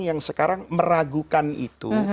yang sekarang meragukan itu